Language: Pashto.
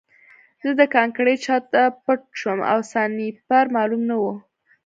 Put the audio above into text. زه د کانکریټ شاته پټ شوم او سنایپر معلوم نه و